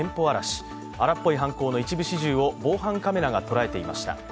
荒っぽい犯行の一部始終を防犯カメラが捉えていました。